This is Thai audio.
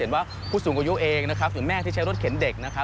เห็นว่าผู้สูงอายุเองนะครับหรือแม่ที่ใช้รถเข็นเด็กนะครับ